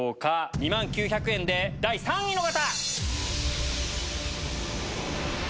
２万９００円で第３位の方！